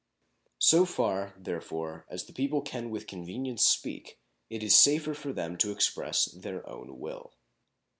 So far, therefore, as the people can with convenience speak, it is safer for them to express their own will.